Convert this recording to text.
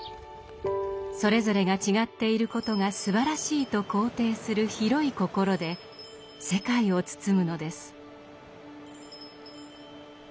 それぞれが違っていることがすばらしいと肯定する広い心で世界を包むのです。